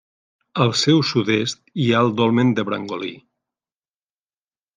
Al seu sud-est hi ha el Dolmen de Brangolí.